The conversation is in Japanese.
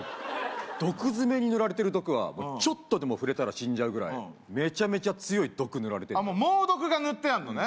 毒爪に塗られてる毒はちょっとでも触れたら死んじゃうぐらいメチャメチャ強い毒塗られてるから猛毒が塗ってあんのね？